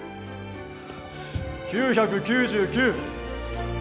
９９９。